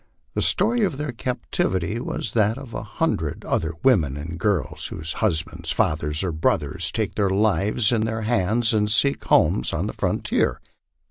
The story of their captivity was that of hundreds of other women and girls whose husbands, fathers, or brothers take their lives in their hands and seek homes on the frontier.